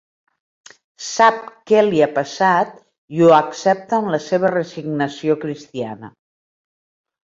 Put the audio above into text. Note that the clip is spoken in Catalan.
Sap què li ha passat i ho accepta amb la seva resignació cristiana.